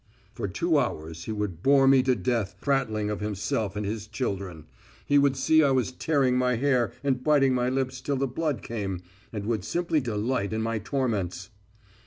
For two hours he would bore me to death, prattling of himself and his children. He would see I was tearing my hair and biting my lips till the blood came, and would simply delight in my torments.